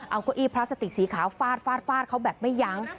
เอาก้ยพลาสติกสีขาวฟาดเขาแบบไม่ยั้ง